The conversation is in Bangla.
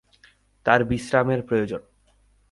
তার বিশ্রামের প্রয়োজন।